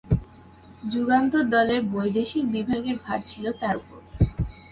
যুগান্তর দলের বৈদেশিক বিভাগের ভার ছিল তার ওপর।